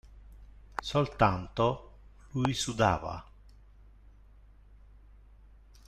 Soltanto, lui sudava.